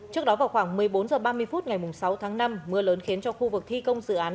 trước đó vào khoảng một mươi bốn h ba mươi phút ngày sáu tháng năm mưa lớn khiến cho khu vực thi công dự án